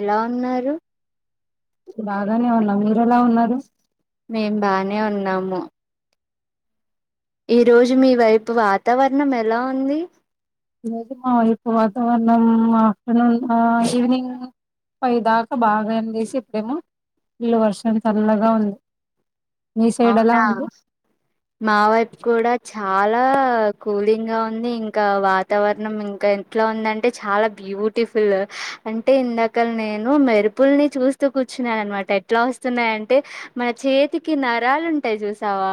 ఎలా ఉన్నారు బాగానే ఉన్నాము మీరు ఎలా ఉన్నారు ఏ ఉన్నాము ఈ రోజు మీ వైపు వాతావరణం ఎలా ఉంది లేదు మా వోల్లు ఉపవాసం వాతావరణం ఆఫ్టర్నూన్ ఈవినింగ్ పై దాకా బాగా అని చేసి డేమో ఇల్లు వర్షం చల్లగా ఉంది మీ సైడ్ ఎలా అవునా ఉంది మా వైపు కూడా చ చాలా కూలింగ్ గా ఉంది ఇంకా వాతావరణం ఇంకా ఎంట్లా ఉంద అంటే చాలా బ్యూ బ్యూటిఫుల్ అంటే ఇందాక నేను మెరుపుల్ని చూస్తూ కూర్చున్నాను అనమాట ఎట్లా వస్తున్నా అంటే మన చేతికి నరాలుంటాయి చూసావా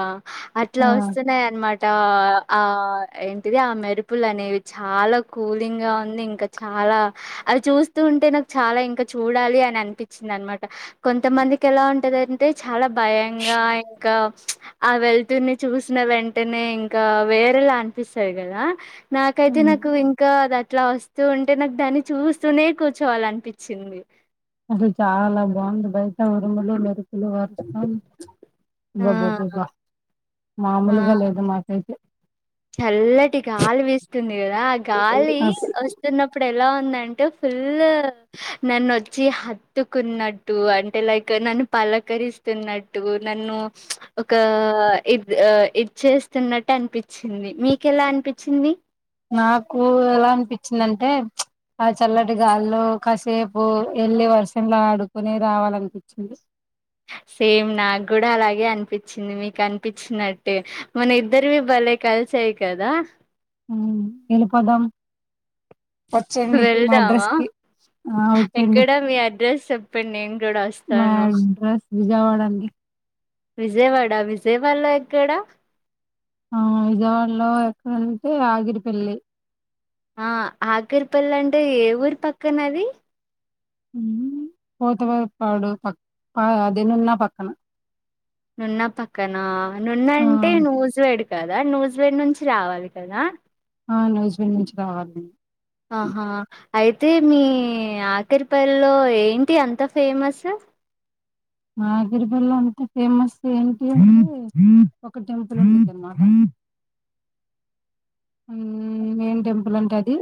అట్లా ఆ వస్తున్నాయి అనమాట టా ఆ ఏంటిది ఆ మెరుపులు అనేవి చాలా కూలింగ్ గా ఉంది ఇంకా చా ఆలా అది చూస్తూ ఉంటే నాకు చాలా ఇంకా చూడాలి అని అనిపించింది అన్నమాట కొంత మందికి ఎలా బ ఉంటది అంటే చాలా భయంగా ఇంకా ఆ వెళ్తుని చూసిన వెంటనే ఇంకా వేరేలా అనిపిస్తారు కదా నాకైతే ఉమ్ నాకు ఇంకా దాత్ అట్లా వస్తూ ఉంటే నాకు దాన్ని చూస్తూనే కూర్చోవాలనిపించింది అది చాలా బాగుంది బయట ఉరుములు మెరుపులు వర్షం ఆ అబ్బబ్బ ఆ మామూలుగా లేదు మాకు అయితే చల్లటి గాలి వీస్తుంది కదా ఆ గాలి అస్ వస్తున్నప్పుడు ఎలా ఉంది అంటు ఫుల్ నన్ను వచ్చి హత్తుకున్నట్టు అంటే లైక్ నన్ను అలకరిస్తున్నట్టు నన్ను ఒక ఇది చేస్తున్నట్టు అనిపిం చింది మీకెలా అనిపించింది నాకు ఎలా అనిపించిందంటే ఆ చల్లటి గాల్లో కాసేపు వెళ్లి వర్షంలో ఆడుకునే రావాలనిపించింది [inaudible] సేమ్ నాకు గూడా అలాగే అనిపించింది మీకు అనిపించినట్టే మన ఇద్దరివి బలే కలిసి చేయి కదా ఉమ్ వెళ్ళిపోదాం వచ్చేయండి మా వెళ్దామా అడ్రస్ కి ఆ వచ్చండి ఎక్కడ మీ అడ్రస్ చెప్పండి నేను గూడా వస్తాను విజయవాడండి విజయవాడ విజయవాడలో ఎక్కడా ఆ విజయవాడలో ఎక్కడంటే ఆగిరిపల్లి ఆ ఆఖరిపల్లి అంటే ఏ ఊరి పక్కన అది పోతవ పాడు పక్ అదేనున్నా పక్కన నున్న పక్కన నున్న ఆ అంటే నూజు వెడు కదా నూజివీడ్ నుంచి రావాలి కదా ఆ నూజివీడ్ నుంచి రావాలండి ఆహా అయితే మీ ఆఖరిపల్లిలో ఏంటి అంత ఫేమస్ నాగిరిపెల్ల అంతా ఫేమస్ ఏంటి అంటే ఒక టెంపుల్ ఉంటదమ్మా [inaudible] ఉమ్ ఏం టెంపుల్ అంటే అది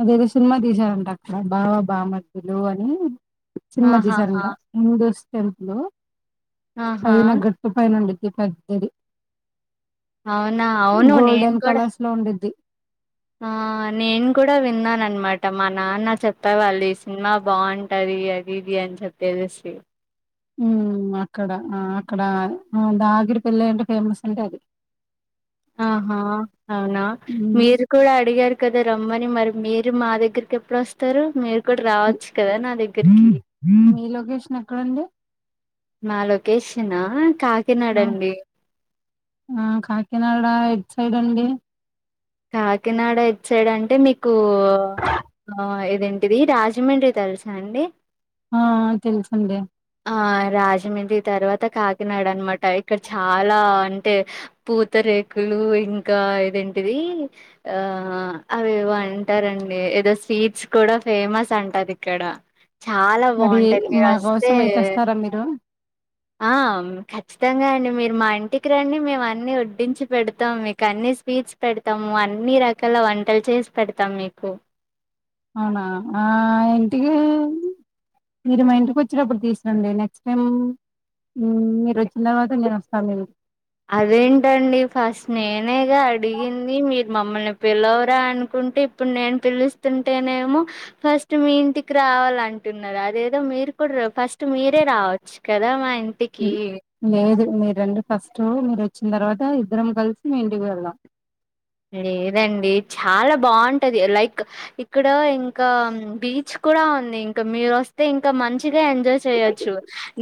అదేదో సినిమా తీసారంట అక్కడ బావ బామర్దులు అని సినిమా ఆహాహా తీశారంట టెంపుల్ లో ఆహా పైన గట్టు పైన ఉండి పెద్దది అవునా అవును నే గోల్డెన్ కలర్స్ లో ఉండిద్ది ఆ నేను కూడా విన్నాన అన్నమాట మా నాన్న చెప్పేవాళ్ళు ఈ సినిమా బాగుంటది అది ఇది ఏం తేజస్వి అక్కడ అక్కడ దాగిరి పల్ల అంటే ఫేమస్ అంటే అది ఆహా అవునా హ్మ్. మీరు కూడా అడిగారు కదా రమ్మని మరి మీరు మా దగ్గరికి ఎప్పుడు వస్తారు మీరు ఇప్పుడు రావచ్చు కదా నా దగ్గరికి హ్మ్. మీ లొకేషన్ ఎక్కడండి? మా లొకేషనా కాకినాడ ఆ! అండి ఆ కాకినాడ ఎట్ సైడ్ అండి కాకినాడ ఎట్ సైడ్ అంటే మీకు ఆ ఇదేంటిది రాజమండ్రి తెలుసా అండి ఆ! ఆ! తెలుసండి. ఆ రాజమండ్రి తర్వాత అంత కాకినాడ అన్నమాట ఇక్కడ చాలా అంటే పూతరేకులు ఇంకా ఏదేంటి ఆ అవేవో అంటారండి ఏదో స్వీట్స్ కూడా ఫేమస్ అంటారు అది ఇక్కడ చాలా మరి బాగుంటాది మీరు మా వస్తే కోసం అయి తెస్తారా మీరు? ఆ ఖచ్చితంగా మీరు మా ఇంటికి రండి మేము అన్ని ఒడ్డించి పెడతాం మీకు అన్ని స్వీట్స్ పెడతాము అన్ని రకాల వంటలు చేసి పెడతాం మీకు అవునా ఆ ఇంటికి మీరు మా ఇంటికి వచ్చినప్పుడు తీసుకురండి నెక్స్ట్ టైం ఉమ్ మీరు వచ్చిన తర్వాత నేను వస్తాను మీకు అదేంటండి ఫస్ట్ నేనేగా అడిగింది మీ మమ్మల్ని పిలవరా అనుకుంటే ఇప్పుడు నేను పిలుస్తుంటేనేమో ఫస్ట్ మీ ఇంటికి రా రావాలంటున్నారు అదేదో మీరు కూడా ఫస్ట్ మీరే రావచ్చు కదా మా ఇంటికి లేదు రండీ ఫస్ట్ మీరు వచ్చిన తర్వాత ఇద్దరం కలిసి మీ ఇంటికి వెళ్దాం లేదండి చాలా బాగుంటది లైక్ ఇక్కడ ఇంకా బీచ్ కూడా ఉంది ఇంకా మీరు వస్తే ఇంకా మంచిగా ఎ ఎంజాయ్ చేయొచ్చు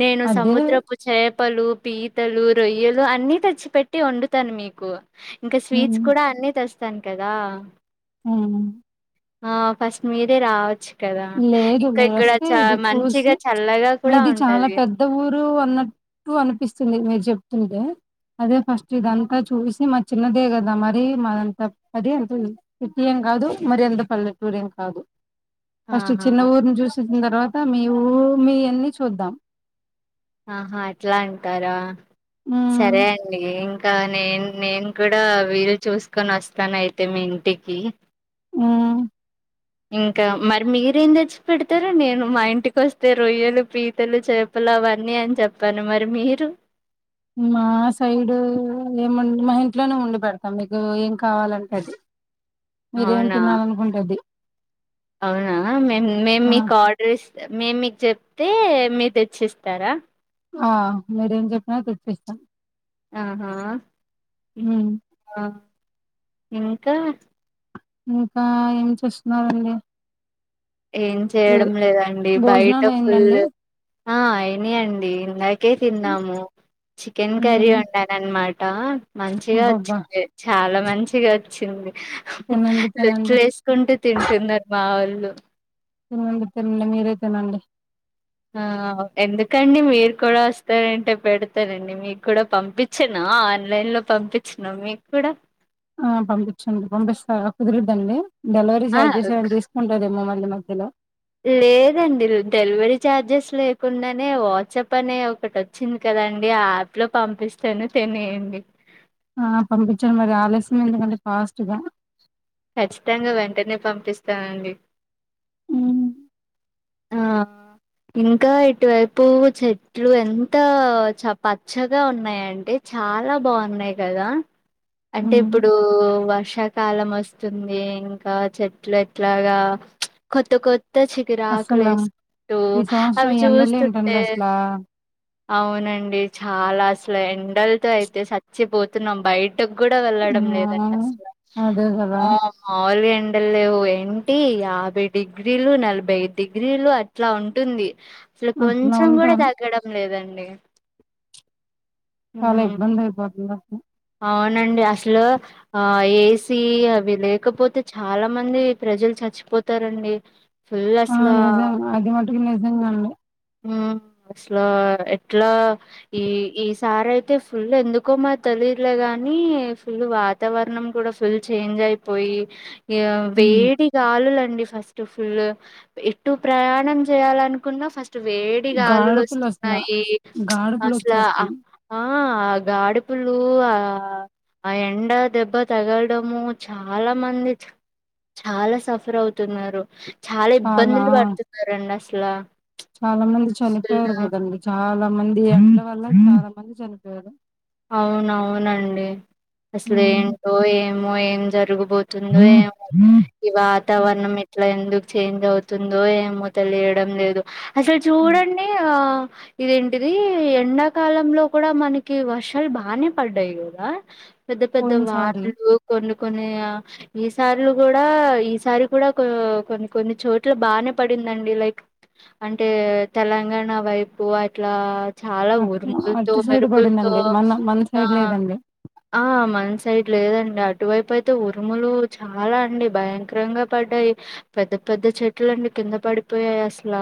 నేను అదే సముద్రపు చేపలు పీ తలు రొయలు అని తెచ్చి పెటి వండుతాను మీకు ఇంకా స్వీట్స్ హ్మ్. అన్నీ తెస్తాను కదా హ ఆ ఫస్ట్ మీరే రావచ్చు కదా! లేదు ఇంకా మీరు ఇక్కడ వస్తే చ ఇది చూసి మంచిగా చల్లగా కూడా మీది చాలా ఉంటది. పెద్ద ఊరు అన్న టూ అనిపిస్తుంది మీరు చెప్తుంటే అదే ఫస్ట్ ఇదంతా చూసి మ చిన్నదే కదా మరి మదంతా అది అంత కాదు మరి ఎంత పల్లెటూర ఏం కాదు ఫస్ట్ ఆహా! చిన్న ఊరుని చూసించిన తర్వాత మీ ఊ మీ అన్ని చూద్దాం ఆహా అట్లా అంటారా మ్మ్ సరే అండి ఇంకా ఇంకా నేన్ నేను కూడా వీళ్ళు చూసుకొని వస్తాన్ అయితే మీ ఇంటికి మ్మ్ ఇంకా మరి మీరేం తెచ్చి పెడతారు నేను మా ఇంటికి వస్తే రొయ్యలు పీతలు చేపలు అవన్నీ అని చెప్పాను మరి మీరు మా సైడు ఏము మా ఇంట్లోనే ఉండి పెడతాం మీకు ఏం కావాలంటీది మీరేం అవునా! తినాల అనుకుంటే అది అవునా మేము మేము ఆ మీకు ఆర్డర్ ఇస్త మే మీకు చెప్తే మీరు తెచ్చిస్తారా ఆ మీరేం చెప్పిన తెప్పిస్తాం ఆహా అ ఇంకా ఇంకా ఏం చేస్తున్నారండి ఏం చేయడం లేదండి బయట భోజనాలు ఫుల్ అయిందండి ఆ అయినా అండి దాకే తిన్నాము చికెన్ కర్రీ ఉమ్ వండాను అనమాట మంచిగా అబ్బబ్బా వచ్చింది చాలా మంచిగా వచ్చింది తినండి తినండి లోట్టలు వేసుకుంటూ తింటున్నరు మా వాళ్ళు తినండి తినండి మీరే తినండి ఆ ఎందుకండి మీరు కూడ వస్తారంటే పెడతారండి మీకు కూడా పంపించను ఆ ఆన్లైన్ లో పంపించిన మీకు కూడా ఆ పంపించండి పంపిస్తా కుదురద్దండి డెలివరీ ఆ ఛార్జెస్ ఏమ తీసుకుంటదేమో మ మ మధ్యలో లేదండి డెలివరీ ఛార్జెస్ లేకుండానే వాట్సాప్ అనే ఒకటి వచ్చింది కదా కదండి ఆ యాప్ లో పంపిస్తాను తినయండి ఆ పంపించండి మరి ఆలస్యంయం ఎందుకంటే ఫాస్టుగా ఖచ్చితంగా వెంటనే పంపిస్తానండి హ్మ్మ్ ఆ ఇంకా ఇటువైపు చెట్లు ఎంత చ పచ్చగా ఉన్నాయంటే చాలా బాగున్నాయి కదా అంటే ఉమ్ ఇప్పుడు వర్షకాలం వస్తుంది ఇంక చెట్లు ఎట్లాగా కొత్త కొ త చిగురాకులు అసలు వేసుకుంటూ ఈ అవి సంవత్సరం ఎండలు చూస్తుంటే ఏంటండి అసలా అవునండి చాలా అసలు ఎండలతో అయితే సచ్చిపోతున్నాం బయట కూడా వెళ్ళడం లేదండి ఉమ్ అసలు అదే కదా ఆమ్మో మాములు ఎండలు లేవు ఎంటి యాభై డిగ్రీలు నలభై డిగ్రీలు అట్లా ఉంటుంది అసలు అట్లా కొంచెం కూడా ఉంటారు తగ్గడం లేదండి లె చాలా ఇబ్బంది అయిపోతుందా అవునండి అసలు ఆ ఏసీ అవి లేకపోతే చాలా మంది ప్రజలు చ సచ్చిపోతారండి అవునండి అది మటుకు నిజంగా అండి ఆ అసలు ఎట్లా ఈ ఈ సారి అయితే ఫుల్ ఎందుకో మా తెలీలేగాని కానీ ఫుల్ వాతావరణం కూడా ఫుల్ చేంజ్ అయిపోయి ఉమ్ వేడి గాలులండి ఫస్ట్ ఎప్పుడు ప్రయాణం చేయాలనుకున్న ఫస్ట్ వేడి గాలులు గాడపులు అసల వస్తున్నాయి గాడపులు అసలా అ వచ్చేస్తాయి ఆ ఆ గాడేపలు ఆ ఆ ఎండ దెబ్బ తగలడము చాలా మంది చాలా సఫర్ అవుతున్నరు చాలా ఇబ్బందులు పడుతున్నారు అండి అసల చాలా మంది చనిపోయారు కాదండి చాలా మంది ఎక్కడ వల్ల చాలా మంది చనిపోయారు అవునవునండి అసలే ఉమ్. ఏంటో ఏమో ఏం జరుగు పోతుంది ఏమో ఈ వాతావరణం ఉమ్. ఇట్లా ఎందుకు చేంజ్ అవుతుందో ఏమో తెలియడం లేదు అసలు చూడండి ఆ ఇదేంటిది ఎండా కాలంలో కూడా మనకి వర్ష వర్షాలు బాగానే పడ్డాయి కదా పెద్ద పెద్ద పోయిన సారి వాగులు కొన్ని కొన్ని ఈ సార్లు కూడా ఈసారి కూడా కొన్ని కొన్ని చోట్ల బానే పడింది దండి లైక్ అంటే తెలంగాణ వైపు అట్లా చాలా అట్ ఉరుములతో అటు సైడ్ మెరుపులతో పడిందండి మన మన ఆ సైడ్ లేదండి ఆ మ సైడ్ లేదండి అటువైపు అయితే ఉరుములు చాలా అండి భయంకరంగా పడ్డాయి పెద్ద పెద్ద చెట్లండి కింద పడిపోయాయి అసల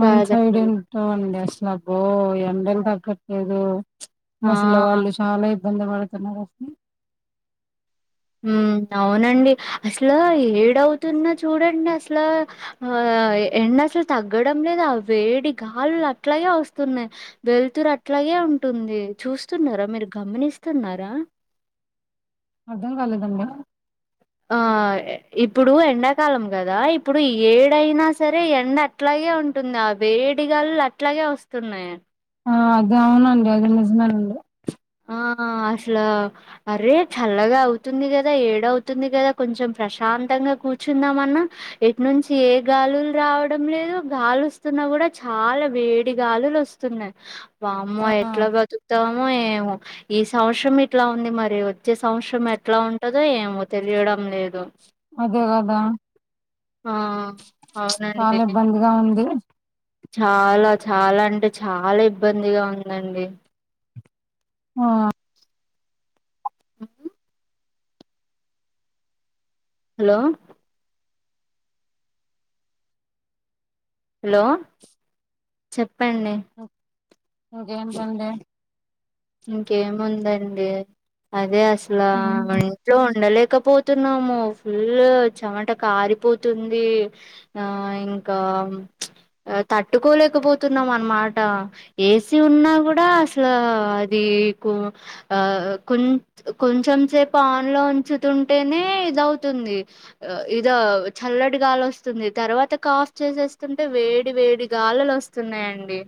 మన సైడ్ ఎమ్ ఏమి లే అబ్బో ఎండలు తగ్గట్లేదు ఆ! ముసలివాళ్ళు చాలా ఇ ఇబ్బంది పడుతున్నారు అసలు మ్మ్ అవునండి అసలు ఏడవు తున్నా చూడండి అసలు ఆ ఎండ అసలు తగ్గడం లేదా వేడి గాలులు అట్లాగే వస్తున్నాయి వెలుతురు అట్ల అట్లాగే ఉంటుంది చూస్తున్నారా మీరు గమనిస్తున్నారా అర్ధం కాలేదండి ఆ ఇప్పుడు ఎండాకాలం కదా ఇప్పుడు ఏడైనా సరే ఎండ అట్లా అట్లాగే ఉంటుంది ఆ వేడి గాలులు అట్లాగే వస్తున్నాయి ఆ అద అవునండి అది నిజమనండి ఆ అసలు అరే చల్లగా అవుతుంది కదా ఏడవుతుంది కదా కొంచెం ప్రశాంత తంగా కూర్చుందాం అన్నా ఎటు నుంచి ఏ గాలులు రావడం లేదు గాలి వస్తున్నా కూడా చాలా వేడి గాలులు వస్తున్నాయ్ వామ్మో ఆ ఎట్లా బతుకుతామో ఏమో ఈ సంవత్సరం ఇట్లా ఉంది మరి వచ్చే సంవత్సరం ఎట్లా ఉంటదో ఏమో తెలియడం లేదు అదే కదా ఆ చాల అవునండి ఇబ్బందిగా ఉంది చాలా చాలా అంటే చాలా ఇబ్బందిగా ఉందండి ఆ ఉహు హలో హలో చెప్పండి ఇంకేంటండి ఇంకేం ఉందాండి అదే అసల ఉమ్. ఇంట్లో ఉండలేమ్ ఉక్కపోతున్నాము ఫుల్ చెమట కారిపోతుంది ఆ ఇంకా అవున్ ఆ తట్టుకోలేకపోతున్నాం అనమాట ఏసీ ఉన్నా కూడా అసలు ఏకు కొ ఆ కొంచెం సేపు ఆన్లో ఉంచుతుంటేనే ఇదవుతుంది ఇద చల్లటిగాలి వస్తుంది తర్వాత కాఫ్ చేసేస్తుంటే వే వేడి వేడి గాలులు వస్తున్నాయండి